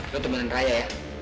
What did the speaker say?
lo temanin ray ya